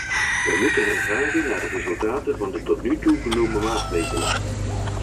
We moeten hen vragen naar de resultaten van de tot nu toe genomen maatregelen.